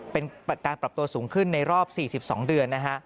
เป็นการปรับตัวสูงขึ้นในรอบ๔๒เดือนนะฮะ